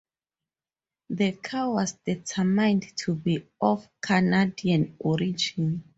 The cow was determined to be of Canadian origin.